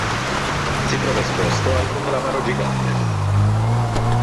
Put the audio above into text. Si trova esposto anche un calamaro gigante.